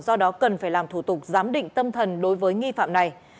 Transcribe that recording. do đó cần phải làm thủ tục giám định tâm thần đối với nghi phạm này